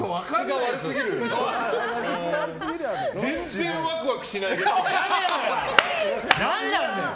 全然ワクワクしない。